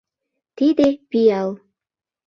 Тиде — пиал!